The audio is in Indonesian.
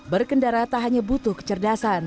berkendara tak hanya butuh kecerdasan